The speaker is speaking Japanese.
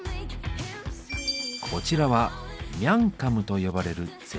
こちらは「ミャンカム」と呼ばれる前菜。